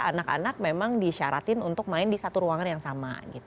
anak anak memang disyaratin untuk main di satu ruangan yang sama